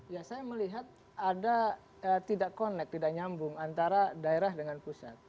ya saya melihat ada tidak connect tidak nyambung antara daerah dengan pusat